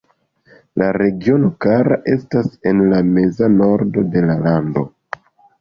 La regiono Kara estas en la meza nordo de la lando.